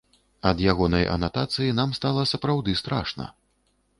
Ад ягонай анатацыі нам стала сапраўды страшна!